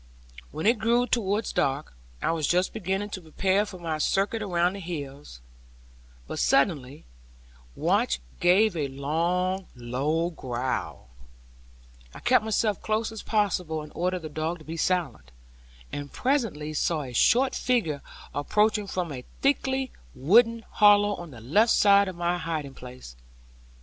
When it grew towards dark, I was just beginning to prepare for my circuit around the hills; but suddenly Watch gave a long low growl; I kept myself close as possible, and ordered the dog to be silent, and presently saw a short figure approaching from a thickly wooded hollow on the left side of my hiding place.